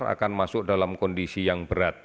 akan masuk dalam kondisi yang berat